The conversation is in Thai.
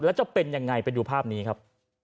แล้วจะเป็นยังไงไปดูภาพนี้ครับ